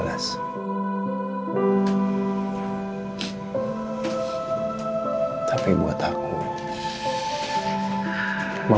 mama itu adalah wanita paling hebat